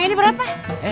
uang ini berapa